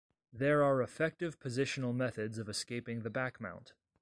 There are effective positional methods of escaping the back mount.